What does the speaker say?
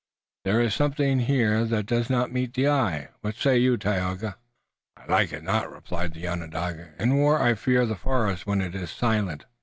There is something here that does not meet the eye. What say you, Tayoga?" "I like it not," replied the Onondaga. "In war I fear the forest when it is silent."